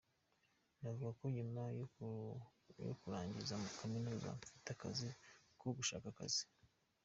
Navuga ko nyuma yo kurangiza kaminuza mfite akazi ko ‘gushaka akazi’.